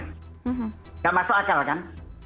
nggak masuk akal kan